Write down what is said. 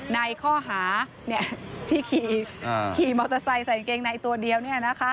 ในข้อหาที่ขี่มอเตอร์ไซค์ใส่กางเกงในตัวเดียว